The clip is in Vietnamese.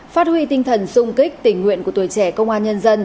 phát huy tinh thần sung kích tình nguyện của tuổi trẻ công an nhân dân